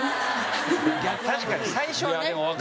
確かに最初はね。